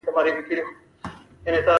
د اخروي دردناکه عذاب ګواښونه کوي.